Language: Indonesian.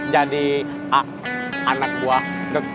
jadi anak gue